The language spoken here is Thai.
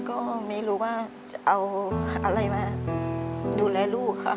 ก็ไม่รู้ว่าจะเอาอะไรมาดูแลลูกค่ะ